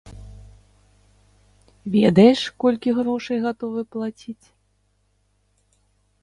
Ведаеш, колькі грошай гатовы плаціць?